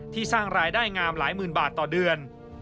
สร้างรายได้งามหลายหมื่นบาทต่อเดือน